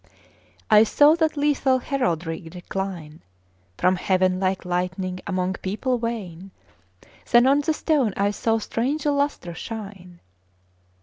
I saw that lethal heraldry decline From heaven like lightning among people vain; Then on the stone I saw strange lustre shine.